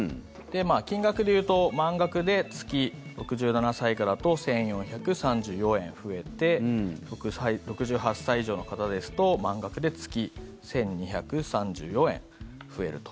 金額で言うと満額で月、６７歳以下だと１４３４円増えて６８歳以上の方ですと満額で月１２３４円増えると。